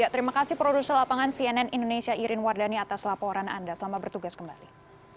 terima kasih produser lapangan cnn indonesia irin wardani atas laporan anda selamat bertugas kembali